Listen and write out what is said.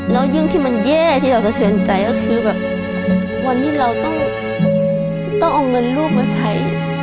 วันนี้เราก็ต้องเอาเงินลูกมาใช้